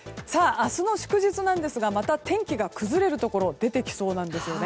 明日の祝日なんですがまた天気が崩れるところ出てきそうなんですね。